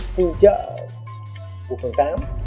khu chợ của phường tám